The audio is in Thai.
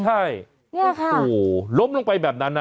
ใช่นี่ค่ะโอ้โหล้มลงไปแบบนั้นนะ